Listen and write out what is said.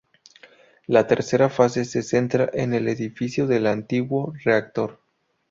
La tercera fase se centra en el edificio del antiguo reactor.